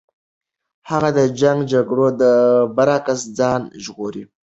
هغه د جنګ جګړو د برعکس ځان ژغوري.